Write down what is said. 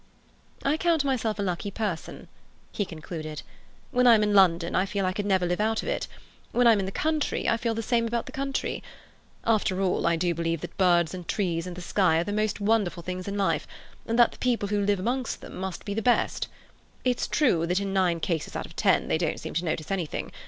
"I count myself a lucky person," he concluded, "When I'm in London I feel I could never live out of it. When I'm in the country I feel the same about the country. After all, I do believe that birds and trees and the sky are the most wonderful things in life, and that the people who live amongst them must be the best. It's true that in nine cases out of ten they don't seem to notice anything.